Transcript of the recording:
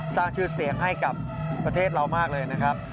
สร้างชื่อเสียงให้กับประเทศเรามากเลยนะครับ